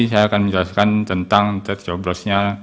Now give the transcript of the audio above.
saya akan menjelaskan tentang tercoblosnya